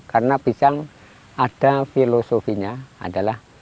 karena pisang ada filosofinya adalah